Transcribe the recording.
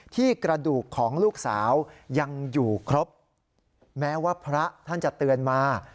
ที่กระดูกของลูกสาวยังอยู่ครบแม้ว่าพระท่านจะเตือนมา